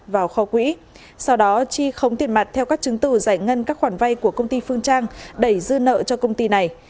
vào kho quỹ sau đó chi khống tiền mặt theo các chứng từ giải ngân các khoản vay của công ty phương trang đẩy dư nợ cho công ty này